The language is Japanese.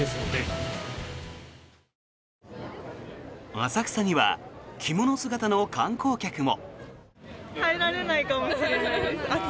浅草には着物姿の観光客も。